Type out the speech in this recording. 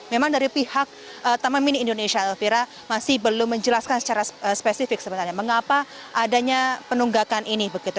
memang dari pihak taman mini indonesia elvira masih belum menjelaskan secara spesifik sebenarnya mengapa adanya penunggakan ini